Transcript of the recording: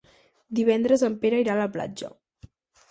Divendres en Pere irà a la platja.